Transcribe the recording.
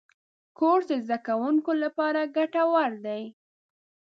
کورس د زدهکوونکو لپاره ګټور دی.